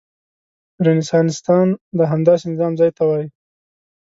رنسانستان د همداسې نظام ځای ته وايي.